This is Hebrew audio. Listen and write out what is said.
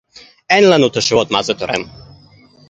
אין לנו תשובות - מה זה תורם